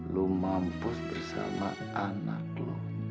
lu mampus bersama anak lu